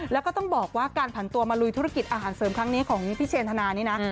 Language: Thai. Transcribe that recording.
แล้วก็ต้องบอกว่าการผันตัวมาลุยธุรกิจอาหารเสริมครั้งนี้ของพี่เชนธนานี้นะ